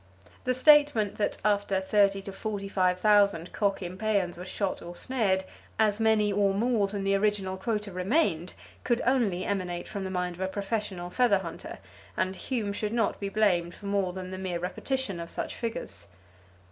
The statement that after thirty to forty five thousand cock impeyans were shot or snared, as many or more than the original quota remained, could only emanate from the mind of a professional feather hunter, and Hume should not be blamed for more than the mere repetition of such figures.